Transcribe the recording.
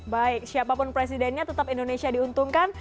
baik siapapun presidennya tetap indonesia diuntungkan